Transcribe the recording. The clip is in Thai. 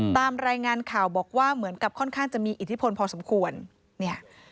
ตามรายงานข่าวบอกว่าเหมือนกับค่อนข้างจะมีอิทธิพลพอสมควรเนี่ย